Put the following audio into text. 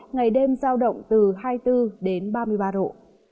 ngày đêm giao động từ một mươi chín đến ba mươi độ